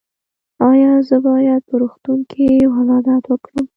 ایا زه باید په روغتون کې ولادت وکړم؟